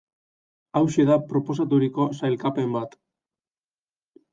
Hauxe da proposaturiko sailkapen bat.